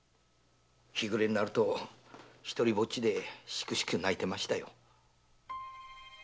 日暮れになると一人ぼっちでシクシク泣いてましたよ。